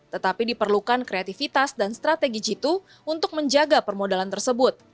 tetapi diperlukan kreativitas dan strategi jitu untuk menjaga permodalan tersebut